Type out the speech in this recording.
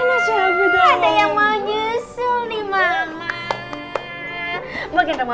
ada yang mau nyusul nih mama